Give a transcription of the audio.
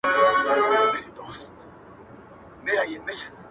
په پسته ژبه يې نه واى نازولى٫